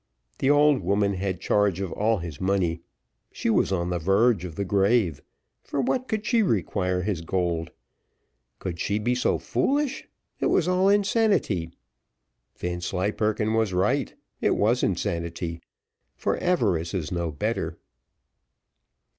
The old woman had charge of all his money she was on the verge of the grave for what could she require his gold? could she be so foolish? it was insanity. Vanslyperken was right it was insanity, for avarice is no better.